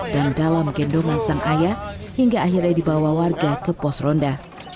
dan dalam gendongan sang ayah hingga akhirnya dibawa warga ke pos ronda